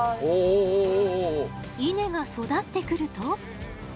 稲が育ってくると。